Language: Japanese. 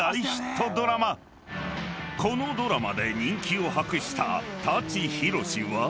［このドラマで人気を博した舘ひろしは］